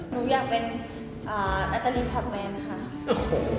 หนูอยากเป็นนาตาลีพอตแมนนะคะ